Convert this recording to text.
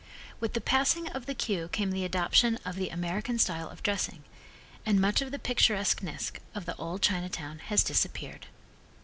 With the passing of the queue came the adoption of the American style of dressing, and much of the picturesqueness of the old Chinatown has disappeared.